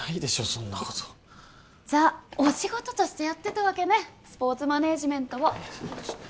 そんなことじゃお仕事としてやってたわけねスポーツマネージメントをえっ